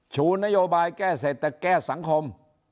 ชูนโยบายแก้เสร็จแต่แก้สังคม